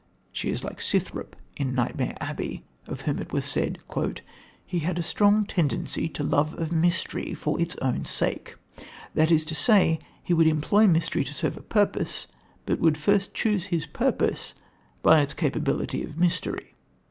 She is like Scythrop in Nightmare Abbey, of whom it was said: "He had a strong tendency to love of mystery for its own sake; that is to say, he would employ mystery to serve a purpose, but would first choose his purpose by its capability of mystery."